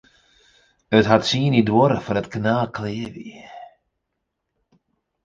It hat tsien jier duorre foardat it kanaal klear wie.